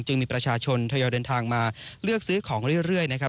มีประชาชนทยอยเดินทางมาเลือกซื้อของเรื่อยนะครับ